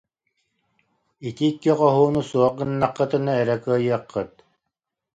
Ити икки хоһууну суох гыннаххытына эрэ кыайыаххыт